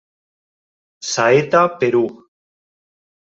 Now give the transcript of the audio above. Saeta Perú